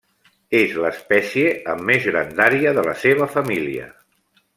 És l'espècie amb més grandària de la seva família.